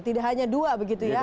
tidak hanya dua begitu ya